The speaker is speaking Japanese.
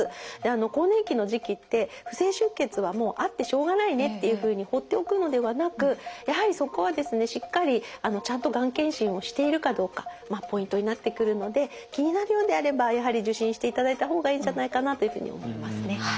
更年期の時期って不正出血はもうあってしょうがないねっていうふうにほっておくのではなくやはりそこはですねしっかりちゃんとがん検診をしているかどうかポイントになってくるので気になるようであればやはり受診していただいた方がいいんじゃないかなというふうに思いますね。